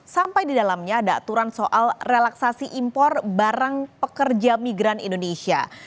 sampai di dalamnya ada aturan soal relaksasi impor barang pekerja migran indonesia